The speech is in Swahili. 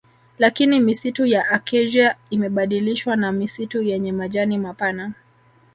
Lakini misitu ya Acacia imebadilishwa na misitu yenye majani mapana